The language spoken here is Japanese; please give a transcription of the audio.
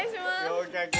合格。